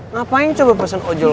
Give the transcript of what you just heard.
ngapain coba perusahaan ojol